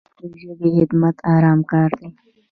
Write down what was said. د ژبې خدمت ارام کار دی.